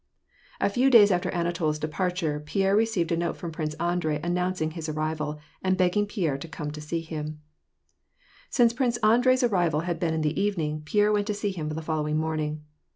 A few days after Anatol's departure, Pierre received a note from Prince Andrei announcing his arrival, and begging Pierre to come to see him. Prince Andrei's arrival had been in the evening. Pierre went to see him the following morning.